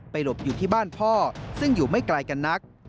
หลบอยู่ที่บ้านพ่อซึ่งอยู่ไม่ไกลกันนัก